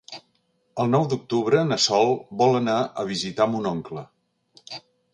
El nou d'octubre na Sol vol anar a visitar mon oncle.